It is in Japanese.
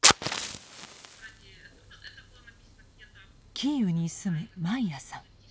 キーウに住むマイヤさん。